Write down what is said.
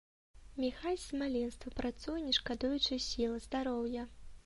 Міхась з маленства працуе не шкадуючы сіл, здароўя.